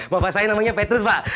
bapak saya namanya petrus pak